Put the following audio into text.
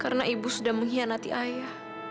karena ibu sudah mengkhianati ayah